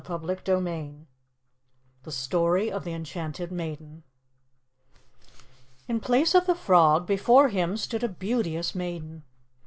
CHAPTER VI THE STORY OF THE ENCHANTED MAIDEN In place of the frog, before him stood a beauteous maiden.